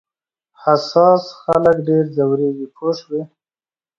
حساس خلک ډېر ځورېږي پوه شوې!.